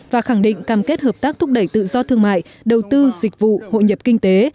và khẳng định cam kết hợp tác thúc đẩy tự do thương mại đầu tư dịch vụ hội nhập kinh tế